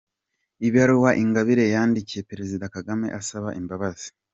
Ibaruwa Ingabire yandikiye Perezida Kagame asaba imbabazi